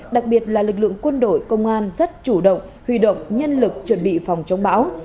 đặc biệt là lực lượng quân đội công an rất chủ động huy động nhân lực chuẩn bị phòng chống bão